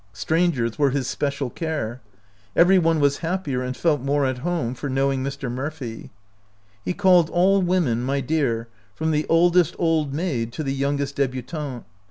Strangers were his special care ; every one was happier and felt more at home for knowing Mr. Murphy. He called all women "my dear," from the oldest old maid to the youngest debutante.